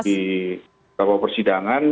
jadi beberapa persidangan